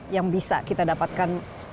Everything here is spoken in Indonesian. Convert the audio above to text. yang bisa kita dapatkan